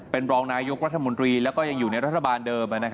เป็นรองนายกรัฐมนตรีแล้วก็ยังอยู่ในรัฐบาลเดิม